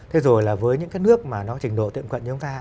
thế rồi là với những cái nước mà nó trình độ tiệm cận như chúng ta